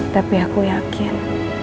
tapi aku yakin